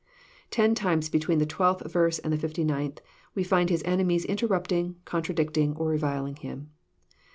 Ten times, between the 12th verse and the 59th, we find His enemies interrupting, contradicting, or reviling Him.